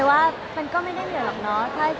แต่ว่ามันก็ไม่ได้เหนื่อยหรอกเนาะ